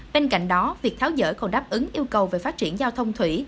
bên cạnh đó việc tháo dở còn đáp ứng yêu cầu về phát triển giao thông thủy